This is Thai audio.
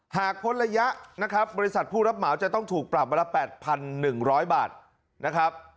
พ้นระยะนะครับบริษัทผู้รับเหมาจะต้องถูกปรับวันละ๘๑๐๐บาทนะครับ